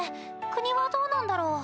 国はどうなんだろう？